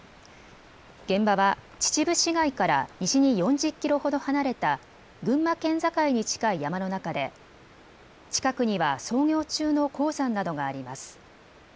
現場は秩父市街から西に４０キロほど離れた群馬県境に近い山の中で近くには操業中の鉱山などがあります。